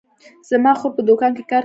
زما خور په دوکان کې کار کوي